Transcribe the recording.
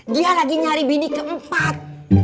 dia lagi nyari bidi keempat